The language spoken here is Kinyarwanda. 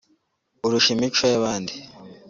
urusha imico y’ahandi